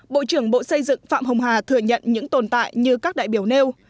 bộ trưởng bộ xây dựng phạm hồng hà thừa nhận những tồn tại như các đại biểu nêu